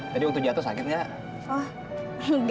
tadi waktu jatuh sakit ga